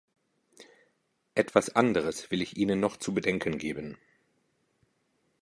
Etwas anderes will ich Ihnen noch zu bedenken geben.